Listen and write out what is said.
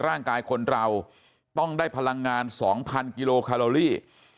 ร่างกายคนเราต้องได้พลังงาน๒๐๐กิโลคาโลลี่